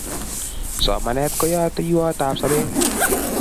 Somanet ko yeteiwat ab sobet